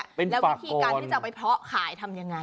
แล้ววิธีการที่จะเอาไปเพาะขายทำยังไง